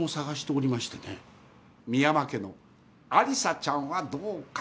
深山家の有沙ちゃんはどうかと。